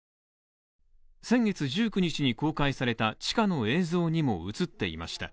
先月１９日に公開された地下の映像にも映っていました。